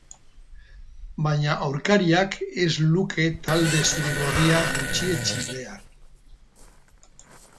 Baina aurkariak ez luke talde zuri-gorria gutxietsi behar.